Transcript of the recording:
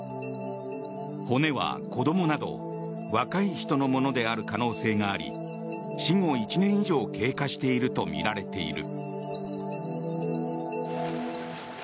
骨は、子どもなど若い人のものである可能性があり死後１年以上経過しているとみられている。